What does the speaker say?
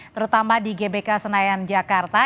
terutama di gbk senayan jakarta